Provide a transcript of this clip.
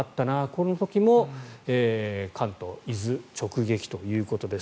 この時も関東伊豆、直撃ということです。